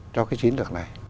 cho cái chiến lược này